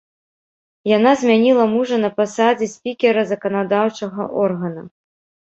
Яна змяніла мужа на пасадзе спікера заканадаўчага органа.